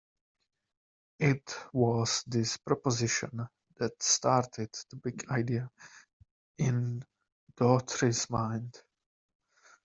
It was this proposition that started the big idea in Daughtry's mind.